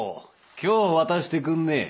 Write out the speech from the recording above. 今日渡してくんねえ。